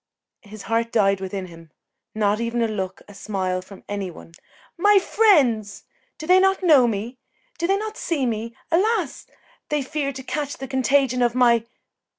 His heart died within him not even a look, a smile from any one. "My friends! Do they not know me? Do they not see me? Alas! they fear to catch the contagion of my